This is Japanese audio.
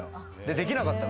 できなかったの？